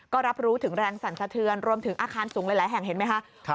ก็รับรู้ถึงแรงสั่นสะเทือนรวมถึงอาคารสูงหลายแห่งเห็นไหมคะ